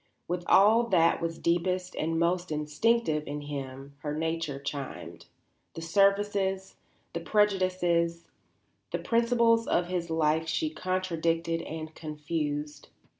With all that was deepest and most instinctive in him her nature chimed; the surfaces, the prejudices, the principles of his life she contradicted and confused.